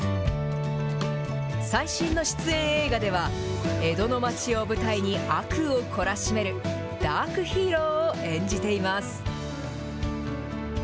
最新の出演映画では、江戸の町を舞台に悪を懲らしめる、ダークヒーローを演じています。